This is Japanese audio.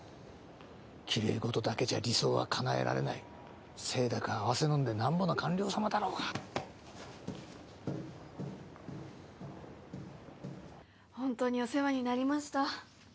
きれい事だけじゃ理想はかなえられない清濁併せのんでなんぼの官僚様だろうが本当にお世話になりました